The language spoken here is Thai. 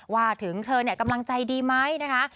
ว่าถึงเธอเนี่ยกำลังใจดีไหมนะคะ